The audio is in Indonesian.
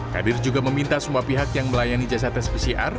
kadir juga meminta semua pihak yang melayani jasa tes pcr